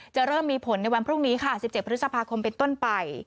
เริ่มมีผลในวันพรุ่งนี้ค่ะ๑๗พฤษภาคมเป็นต้นไป